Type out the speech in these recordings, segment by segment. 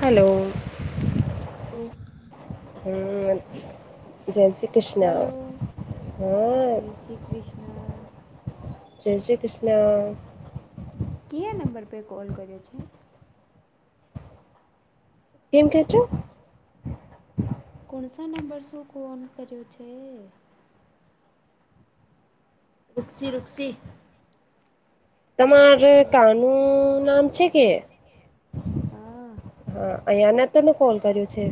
Hello [unintelligible] હમ્મ જયસી hello, જય શ્રી કૃષ્ણ. જય શ્રી કૃષ્ણ. કિયા નંબર પે કોલ કર્યો છે? કેમ કે છો? કોણસા નંબર શું ફોન કર્યો છે? વૃક્ષી વૃક્ક્ષી તમાર જે કાનૂન છે કે હા હ અયા [unintelligible] તને કોલ કર્યો છે?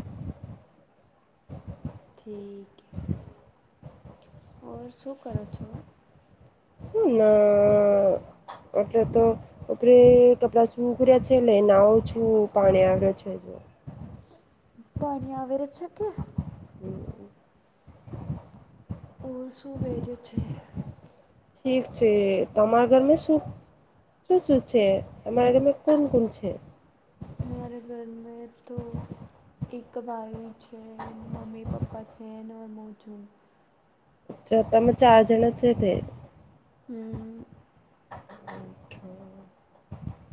ઠીક ઓર શું કરો છો? શું ના એટલે તો ઉપરે કપડા સુખર્યા છે ને એ નાવ શું પાણી આવ્યો છે, [unintelligible] પાણી આવેવેર છે કે? હમ્મ ઓ સુું વરે છે? ઠીક છે તમામર ઘરમાં શું? શું શું છે, હમારે ઘર મા કોણ કોણ છે. મારા ઘર મેં તો એક ભાઈ છે મમ્મી પપ્પા છેને મું છું. તામે ચાર જણા છે તે હમ્મ [unintelligible]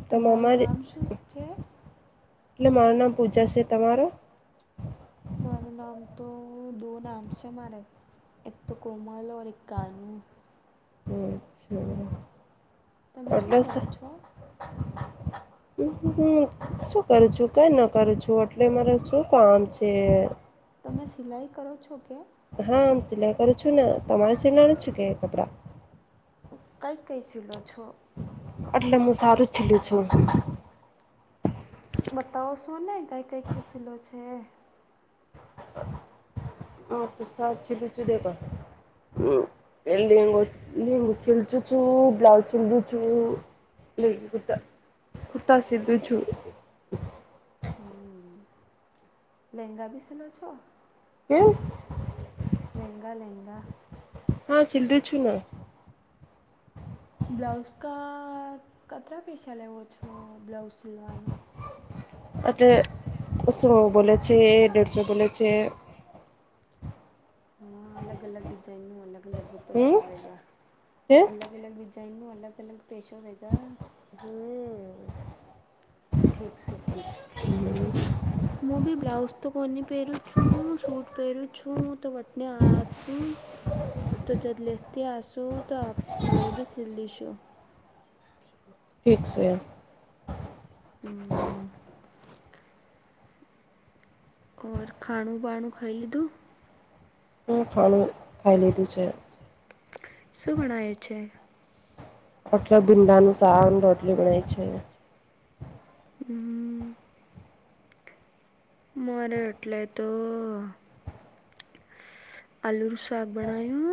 તમારું તમારે નામ શું છે? એટલે મારું નામ પૂજા છે તમારો? મારું નામ તો દો નામ છે મારે એકતો કોમલ ઔર એક કરું હમ્મ હમ્મ તમે શું કરો છો? શું કરું છું કઈ ન કરું છું એટલે મારે શું કામ છે? તમે સિલાઈ કરો છો કે હા આમ સિલાઈ કરું છું ને તમારે સિલાણુ છે કે કપડા કઈ કઈ સિલો છો. એટલે મું સારુજ છીલુ છુ. બતાવો છો ને કઈ કઈ ખીસીલો છે. [unintelligible] છું દેવા હ એ લંગો લગુ સીલું છું બ્લાઉઝ સીલધું છું લઈ ગતાતા સીધું છું. [inaudible] લહેંગા બી સીવો છો [unintelligible] લહેંગા લહેંગા હા છીલડું છું ને બ્લાઉઝ ક કટરા પૈસા લેવો છો બ્લાઉઝ સિલવાનું. એલે સો બોલે છે દેઢસો બોલે છે હા અલગ અલગ ડિઝઇન નું અલગ અલગ હમ પૈસો વેર્યા હે હમ અલગ અલગ જઇનું અલગ અલગ પેશ હોવેગ ઠીક છે ઠીક છે હું બી બ્લાઉઝ તો કોની પહેરું છું સૂટ પહેરું છું. તું તો વતને આસુ તો જ લેખતી આસું તો આપ મારે બી સીલી છુ ઠીક છે. ઓર ખાણું બાણું ખાઈ લીધું હ ખાણું ખાઈ લીધું છે. શું બણાયુ છે. અટલો ભીંડાનું સાવન રોટલી બનાય છે. મારે એટલે તો આલુનું શાક બનાયુ.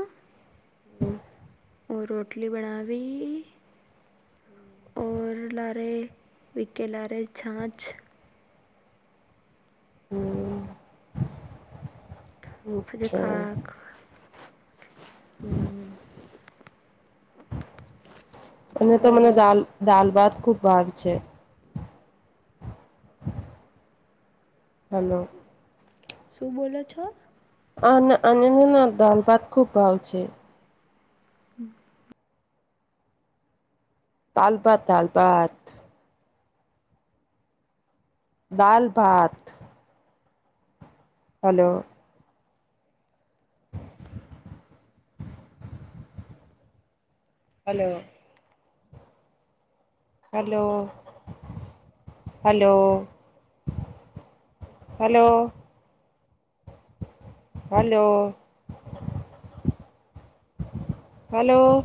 ઓ રોટલી બનાવી. ઓર લારે વિકે લારે છાંછ. હમ અચ્છા [unintelligible] અને તો મને હલો દાલ દાલ ભાત ખૂબ ભાવ છે. હલો શું બોલો છો આ અનંદના દાલ ભાત ખુબ ભાવ છે. [inaudible] દાલભાત દાલભાત‌ દાલ ભાત. Hello hello hello hello. Hello. Hello. Hello.